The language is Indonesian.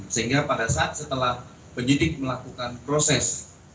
sehingga pada saat setelah penyidik melakukan proses